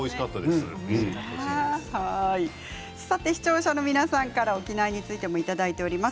視聴者の皆さんから沖縄についてもいただいています。